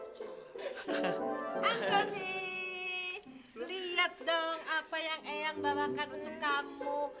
antoni lihat dong apa yang eyang bawakan untuk kamu